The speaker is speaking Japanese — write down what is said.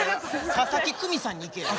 佐々木久美さんにいけや。